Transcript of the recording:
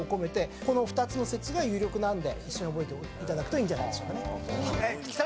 この２つの説が有力なんで一緒に覚えていただくといいんじゃないでしょうかね。